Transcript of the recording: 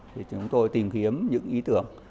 thì chúng tôi tìm kiếm những ý tưởng